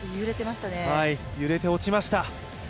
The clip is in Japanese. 揺れて落ちました。